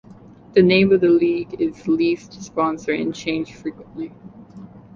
The name of the league is leased to sponsor and changes frequently.